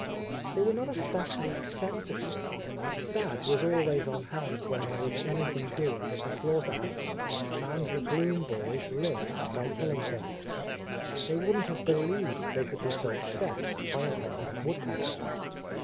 They were not especially sensitive; Thad was always on hand when there was anything doing at the slaughter house, and ^24— A Lost Lady the Blum boys lived by killing things. They wouldn't have believed they could be so upset by a hurt woodpecker.